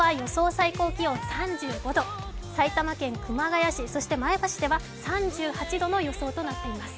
最高気温３５度埼玉県熊谷市、そして前橋では３８度の予想となっています。